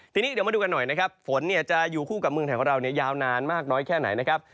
ทีนี้เดี๋ยวมาดูกันหน่อยนะครับฝนจะอยู่คู่กับเมืองไทยของเรายาวนานมากน้อยแค่ไหนนะครับ